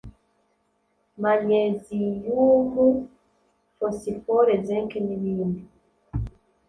manyeziyumu, fosifore , Zinc n’indi.